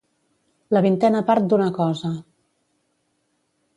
La vintena part d'una cosa.